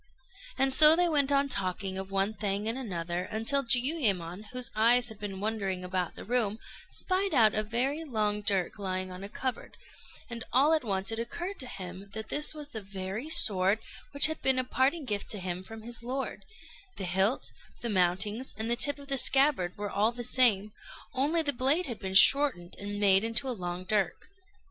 And so they went on talking of one thing and another, until Jiuyémon, whose eyes had been wandering about the room, spied out a very long dirk lying on a cupboard, and all at once it occurred to him that this was the very sword which had been a parting gift to him from his lord: the hilt, the mountings, and the tip of the scabbard were all the same, only the blade had been shortened and made into a long dirk.